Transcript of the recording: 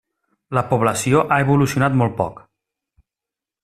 La població ha evolucionat molt poc.